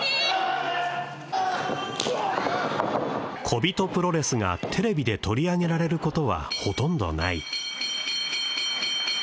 小人プロレスがテレビで取り上げられることはほとんどない